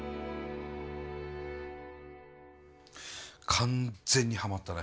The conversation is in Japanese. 完全にはまったね。